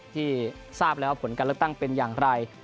ที่ทราบแล้วว่าผลการเลือกตั้งเป็นอย่างไร